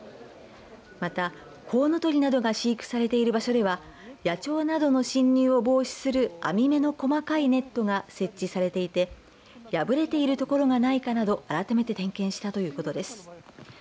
また、コウノトリなどが飼育されている場所では野鳥などの進入を防止する編み目の細かいネットが設置されていて破れているところがないかなど改めて点検したということです。